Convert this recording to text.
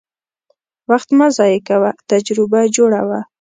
وخت مه ضایع کوه، تجربه جوړه وه.